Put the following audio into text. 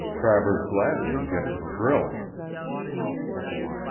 TRAVERS GLADWIN GETS A THRILL.